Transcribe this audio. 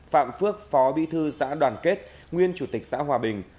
phạm phước phó bí thư xã đoàn kết nguyên chủ tịch xã hòa bình